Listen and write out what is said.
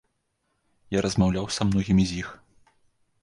Я размаўляў са многімі з іх.